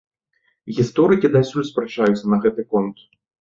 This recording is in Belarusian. Гісторыкі дасюль спрачаюцца на гэты конт.